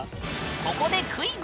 ここでクイズ！